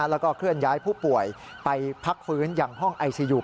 แล้วก็เคลื่อนย้ายผู้ป่วยไปพักฟื้นอย่างห้องไอซียู